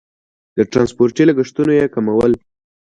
د ټرانسپورتي لګښتونه یې کمول.